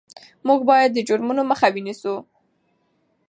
موږ باید د جرمونو مخه ونیسو.